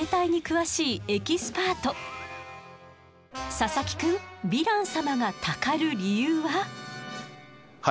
佐々木くんヴィラン様がたかる理由は？